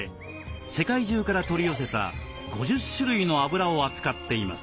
世界中から取り寄せた５０種類のあぶらを扱っています。